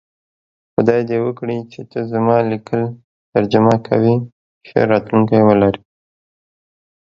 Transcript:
خدای دی وکړی چی ته زما لیکل ترجمه کوی ښه راتلونکی ولری